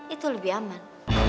itu lebih aman